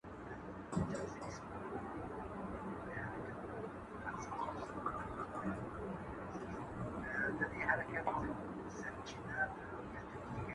د حق په لاره کي ثابت قدم اوسئ.